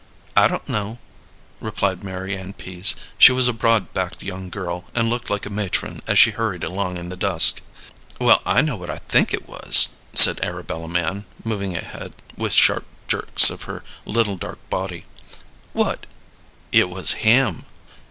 "I don't know," replied Mary Ann Pease. She was a broad backed young girl, and looked like a matron as she hurried along in the dusk. "Well, I know what I think it was," said Arabella Mann, moving ahead with sharp jerks of her little dark body. "What?" "It was him."